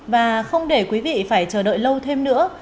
và không để quý vị phải chờ đợi lâu thêm nữa